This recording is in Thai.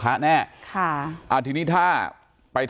การแก้เคล็ดบางอย่างแค่นั้นเอง